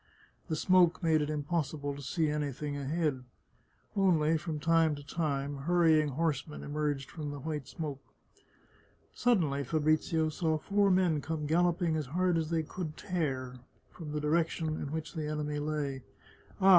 The smoke made it impossible to see anything ahead. Only, from time to time, hurrying horsemen emerged from the white smoke. Suddenly Fabrizio saw four men come galloping as hard as they could tear from the direction in which the enemy lay. " Ah !